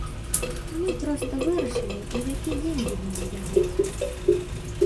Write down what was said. Мы проста вырашылі, у які дзень будзем збягаць.